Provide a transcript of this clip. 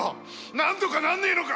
なんとかならねえのか？